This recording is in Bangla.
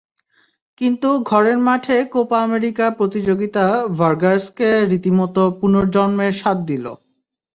কিন্তু ঘরের মাঠে কোপা আমেরিকা প্রতিযোগিতা ভার্গাসকে রীতিমতো পুনর্জন্মের স্বাদ দিল।